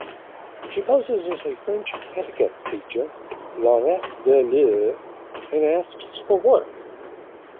She poses as a French etiquette teacher, Laurette Voleur, and asks for work.